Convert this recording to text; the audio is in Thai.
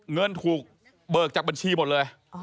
เงินถูกเบิกจากบัญชีหมดเลย